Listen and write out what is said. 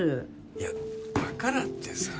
いやだからってさ